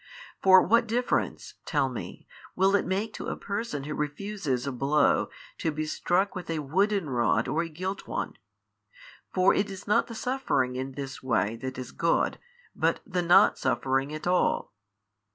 For what difference (tell me) will it make to a person who refuses a blow to be struck with a wooden rod or a gilt one? for it is not the suffering in this way that is good but the not suffering at all.